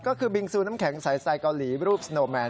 ก็คือบิงซูน้ำแข็งสายไซดเกาหลีรูปสโนแมน